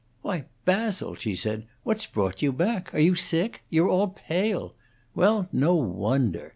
"Why, Basil," she said, "what's brought you back? Are you sick? You're all pale. Well, no wonder!